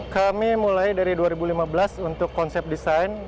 kami mulai dari dua ribu lima belas untuk konsep desain